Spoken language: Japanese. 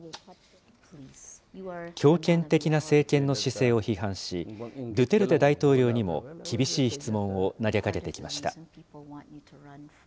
強権的な政権の姿勢を批判し、ドゥテルテ大統領にも厳しい質問を投げかけてきました。